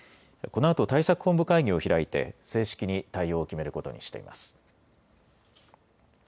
このあと対策本部会議を開いて正式に対応を決めることにしています。